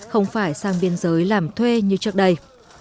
không phải sang biên giới làm thuê như trước đây